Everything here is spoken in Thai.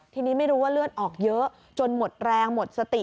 ทีนี้ไม่รู้ว่าเลือดออกเยอะจนหมดแรงหมดสติ